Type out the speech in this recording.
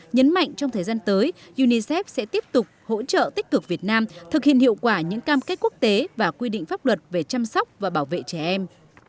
nhấn mạnh trong thời gian tới unicef sẽ tiếp tục hỗ trợ tích cực việt nam thực hiện hiệu quả những cam kết quốc tế và quy định pháp luật về chăm sóc và bảo vệ trẻ em